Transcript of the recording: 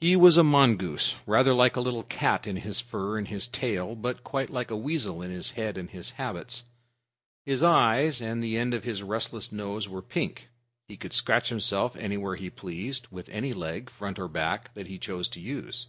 He was a mongoose, rather like a little cat in his fur and his tail, but quite like a weasel in his head and his habits. His eyes and the end of his restless nose were pink. He could scratch himself anywhere he pleased with any leg, front or back, that he chose to use.